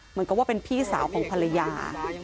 เหมือนกับว่าเป็นพี่สาวของภรรยา